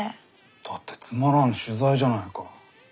だってつまらん取材じゃないか。